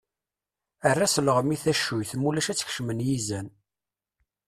Err-as lɣem i tecuyt mulac ad t-kecmen yizan.